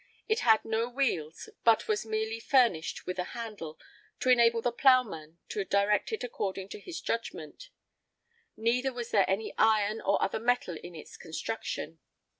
It had no wheels, but was merely furnished with a handle, to enable the ploughman to direct it according to his judgment; neither was there any iron or other metal in its construction.